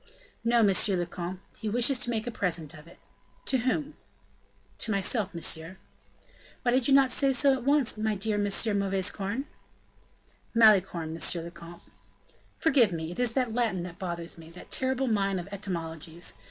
"No, monsieur le comte, he wishes to make a present of it." "To whom?" "To myself, monsieur." "Why did you not say so at once, my dear M. Mauvaisecorne?" "Malicorne, monsieur le comte." "Forgive me; it is that Latin that bothers me that terrible mine of etymologies.